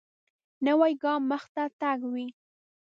نوی ګام مخته تګ وي